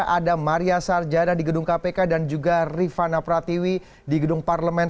ada maria sarjana di gedung kpk dan juga rifana pratiwi di gedung parlemen